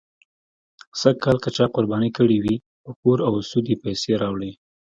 سږکال که چا قرباني کړې وي، په پور او سود یې پیسې راوړې.